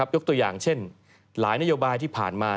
ยกตัวอย่างเช่นหลายนโยบายที่ผ่านมา